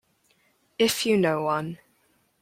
If you know one.